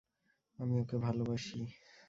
আমি ওকে ভালোবাসি।